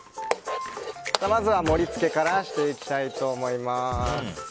まずは盛り付けからしていきたいと思います。